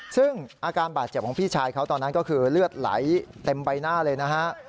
ซึ่งอาการบาดเจ็บของพี่ชายเขาตอนนั้นก็คือเลือดไหลเต็มใบหน้าเลยนะฮะ